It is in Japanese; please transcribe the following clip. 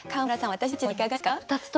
私たちの歌いかがですか？